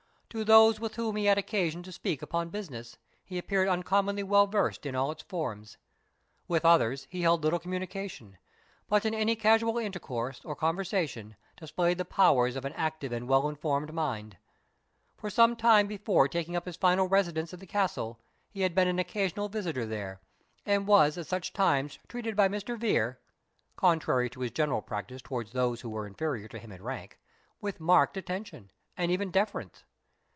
To those with whom he had occasion to speak upon business, he appeared uncommonly well versed in all its forms. With others he held little communication; but in any casual intercourse, or conversation, displayed the powers of an active and well informed mind. For some time before taking up his final residence at the castle, he had been an occasional visitor there, and was at such times treated by Mr. Vere (contrary to his general practice towards those who were inferior to him in rank) with marked attention, and even deference.